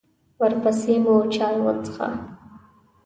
ورپسې مو چای وڅښه.